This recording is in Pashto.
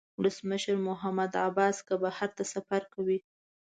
ولسمشر محمود عباس که بهر ته سفر کوي.